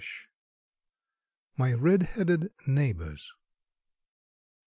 ] MY RED HEADED NEIGHBORS.